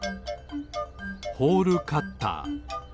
ホールカッター。